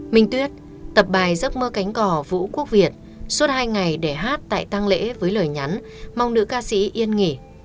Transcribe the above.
minh tuyết tập bài giấc mơ cánh cỏ vũ quốc việt suốt hai ngày để hát tại tăng lễ với lời nhắn mong nữ ca sĩ yên nghỉ